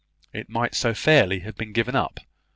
It might so fairly have been given up!